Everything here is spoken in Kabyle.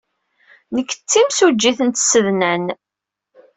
Nekk d timsujjit n tsednan.